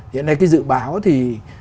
hiện nay cái dự báo thì